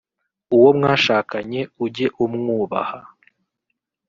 uwomwashakanye ujye umwubaha.